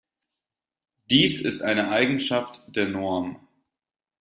Dies ist eine Eigenschaft der Norm.